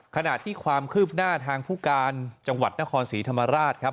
ขณะที่ความคืบหน้าทางผู้การจังหวัดนครศรีธรรมราชครับ